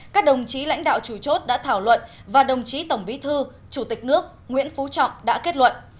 các đồng chí lãnh đạo chủ chốt đã thảo luận và đồng chí tổng bí thư chủ tịch nước nguyễn phú trọng đã kết luận